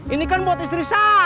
ini kan buat istri saya